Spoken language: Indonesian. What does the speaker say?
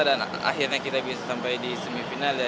dan akhirnya kita bisa sampai di semifinal ya